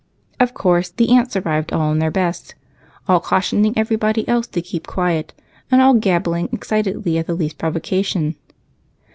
Of course the aunts arrived in all their best, all cautioning everybody else to keep quiet and all gabbling excitedly at the least provocation.